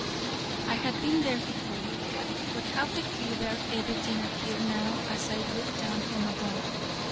I had been there before. But how peculiar everything appeared now as I looked down from above.